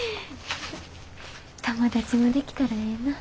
友達もできたらええなぁ。